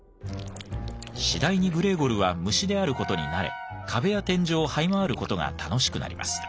次第にグレーゴルは虫である事に慣れ壁や天井をはい回る事が楽しくなります。